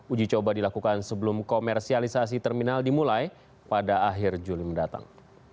uji coba dilakukan sebelum komersialisasi terminal dimulai pada akhir juli mendatang